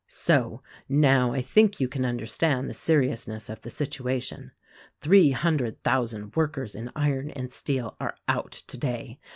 "So, now I think you can understand the seriousness of the situation. Three hundred thousand workers in iron and steel are out today.